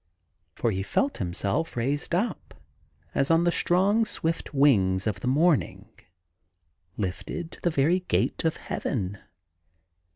For he felt himself raised up as on the strong, swift wings of the morning, lifted to the very gate of Heaven.